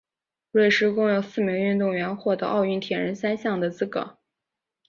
瑞士共有四名运动员获得奥运铁人三项的资格。